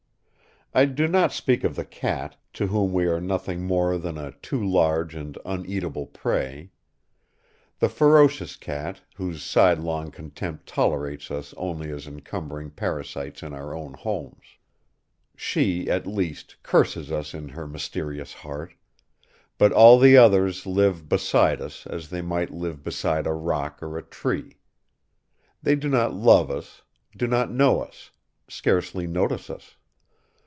I do not speak of the cat, to whom we are nothing more than a too large and uneatable prey: the ferocious cat, whose sidelong contempt tolerates us only as encumbering parasites in our own homes. She, at least, curses us in her mysterious heart; but all the others live beside us as they might live beside a rock or a tree. They do not love us, do not know us, scarcely notice us.